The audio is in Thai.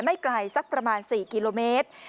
ไม่ไกลสักประมาณ๔กิโลเมตร